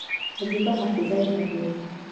عجیبه حافظه یې درلوده.